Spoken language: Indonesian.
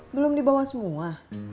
belum dibawa semua